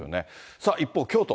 さあ、一方京都。